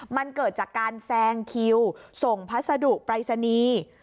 มันเกิดจากการแซงคิวส่งพัสดุปรายศนีย์